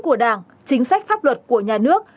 của đảng chính sách pháp luật của nhà nước